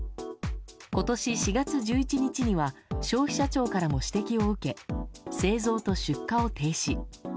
今年４月１１日には消費者庁からも指摘を受け製造と出荷を停止。